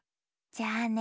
じゃあね